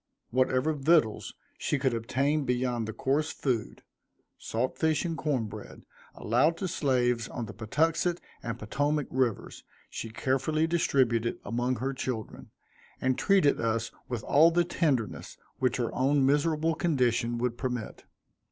Whatever victuals she could obtain beyond the coarse food, salt fish and corn bread, allowed to slaves on the Patuxent and Potomac rivers, she carefully distributed among her children, and treated us with all the tenderness which her own miserable condition would permit.